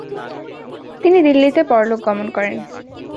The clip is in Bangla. তিনি দিল্লীতে পরলোক গমন করেন।